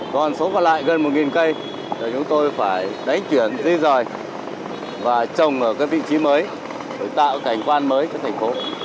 còn số còn lại gần một cây thì chúng tôi phải lấy chuyển di rời và trồng ở cái vị trí mới để tạo cảnh quan mới cho thành phố